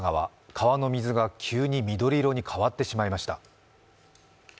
川の水が急に緑色に変わってしまいました。